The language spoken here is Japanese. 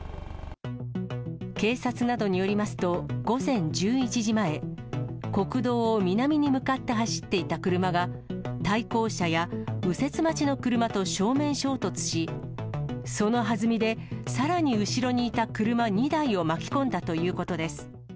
警察などによりますと、午前１１時前、国道を南に向かって走っていた車が、対向車や右折待ちの車と正面衝突し、そのはずみで、さらに後ろにいた車２台を巻き込んだということです。